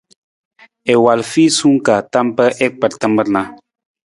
I wal fiisung ka tam pa i kpar i tamar na.